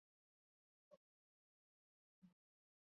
王居安墓在大溪西贡。